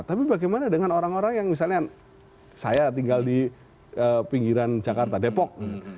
tapi bagaimana dengan orang orang yang misalnya saya tinggal di pinggiran jakarta depok